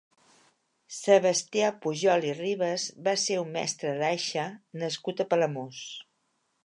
Sebastià Pujol i Ribes va ser un mestre d'aixa nascut a Palamós.